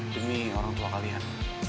demi orang tua kalian